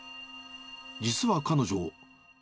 実は彼女。